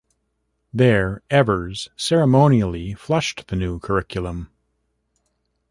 There Evers ceremonially flushed the new curriculum.